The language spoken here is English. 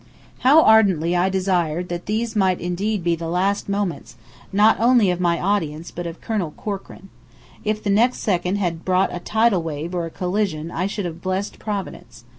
How ardently I desired that these might indeed be the "last moments" not only of my audience but of Colonel Corkran. If the next second had brought a tidal wave or a collision I should have blessed Providence.